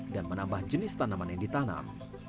dan menambah jenis tanaman yang ditanam